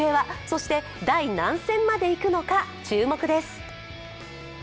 そして第何戦までいくのか注目です。